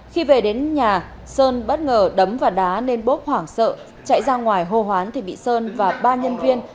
khi về đến nhà sơn bất ngờ đấm vào đá nên bố hoảng sợ chạy ra ngoài hô hoán thì bị sơn và ba nhân viên